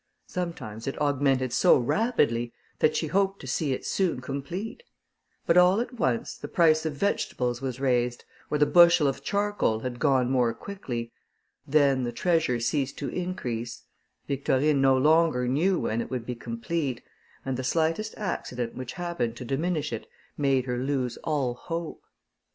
Sometimes it augmented so rapidly that she hoped to see it soon complete; but all at once the price of vegetables was raised, or the bushel of charcoal had gone more quickly: then the treasure ceased to increase: Victorine no longer knew when it would be complete, and the slightest accident which happened to diminish it made her lose all hope.